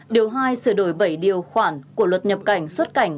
điều hai sửa đổi bảy điều khoản của luật nhập cảnh xuất cảnh quá cảnh cư trú